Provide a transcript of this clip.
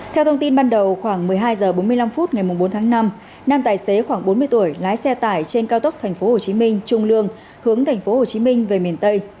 theo thông tin ban đầu khoảng một mươi hai h bốn mươi năm phút ngày bốn tháng năm nam tài xế khoảng bốn mươi tuổi lái xe tải trên cao tốc tp hcm trung lương hướng tp hcm về miền tây